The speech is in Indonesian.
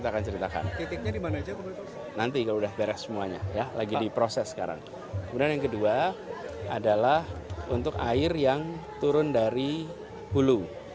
kemudian yang kedua adalah untuk air yang turun dari hulu